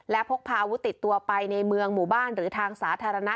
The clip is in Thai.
และพกพาอาวุธติดตัวไปในเมืองหมู่บ้านหรือทางสาธารณะ